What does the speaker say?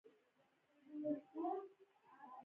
پسه اوږده څڼې لري.